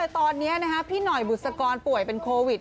ตอนนี้พี่หน่อยบุษกรป่วยเป็นโควิด